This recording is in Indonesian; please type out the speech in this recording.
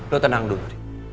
lo tenang dulu